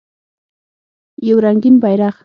یو رنګین بیرغ